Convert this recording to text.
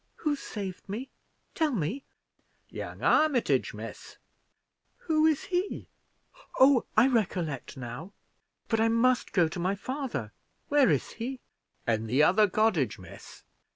"Who saved me? tell me." "Young Armitage, miss." "Who is he? oh, I recollect now; but I must go to my father. Where is he?" "In the other cottage, miss."